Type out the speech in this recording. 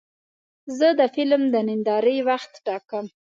زه د فلم د نندارې وخت ټاکم.